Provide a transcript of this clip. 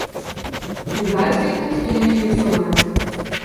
De buitenwereld reageert verward.